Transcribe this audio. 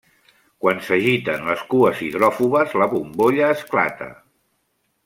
Quan s'agiten les cues hidròfobes, la bombolla esclata.